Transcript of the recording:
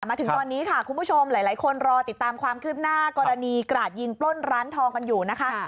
มาถึงตอนนี้ค่ะคุณผู้ชมหลายคนรอติดตามความคืบหน้ากรณีกราดยิงปล้นร้านทองกันอยู่นะคะ